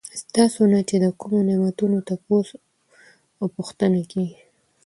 ستاسو نه چې د کومو نعمتونو تپوس او پوښتنه کيږي